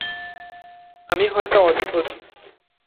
আমি হয়তো অদ্ভুত।